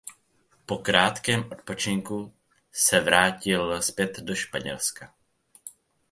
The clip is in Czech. Po krátkém odpočinku se vrátil zpět do Španělska.